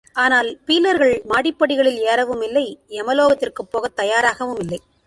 ஆனால், பீலர்கள் மாடிப் படிகளில் ஏறவுமில்லை, எமலோகத்திற்குப் போகத் தயாராகவும் இல்லை.